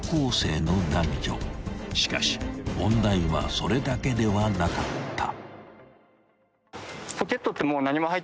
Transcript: ［しかし問題はそれだけではなかった］